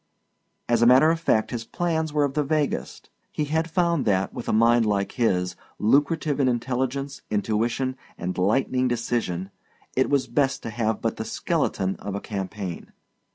As a matter of fact his plans were of the vaguest. He had found that with a mind like his, lucrative in intelligence, intuition, and lightning decision, it was best to have but the skeleton of a campaign.